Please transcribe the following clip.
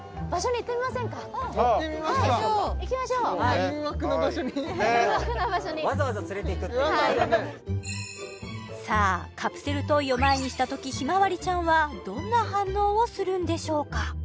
行ってみますかはい行きましょうさあカプセルトイを前にしたときひまわりちゃんはどんな反応をするんでしょうか？